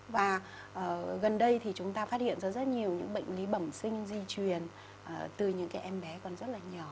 và gần đây thì chúng ta phát hiện ra rất nhiều những bệnh lý bẩm sinh di truyền từ những cái em bé còn rất là nhỏ